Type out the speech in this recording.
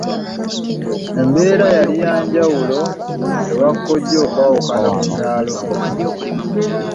Embeera yali ya njawulo ewa kkojja okwawukana ku kyalo.